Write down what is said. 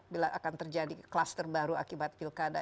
bila akan terjadi kluster baru akibat pilkada